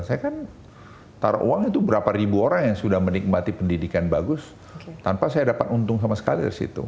saya kan taruh uang itu berapa ribu orang yang sudah menikmati pendidikan bagus tanpa saya dapat untung sama sekali dari situ